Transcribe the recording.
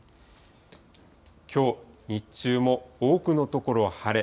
きょう、日中も多くの所晴れ。